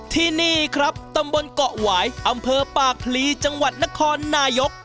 ที่นี่ครับตำบลเกาะหวายอำเภอปากพลีจังหวัดนครนายก